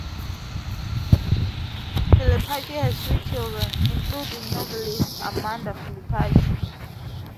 Filipacchi has three children, including novelist Amanda Filipacchi.